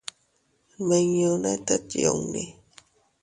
Nmiñune tet yunni.